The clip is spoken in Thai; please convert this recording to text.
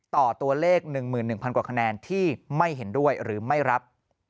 ต่อตัวเลข๑๑๐๐กว่าคะแนนที่ไม่เห็นด้วยหรือไม่รับ